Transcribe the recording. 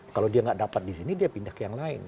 kalau dia nggak dapat di sini dia pindah ke yang lain